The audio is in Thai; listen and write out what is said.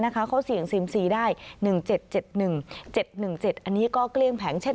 เขาเสี่ยงซีมซีได้๑๗๗๑๗๑๗อันนี้ก็เกลี้ยงแผงเช่น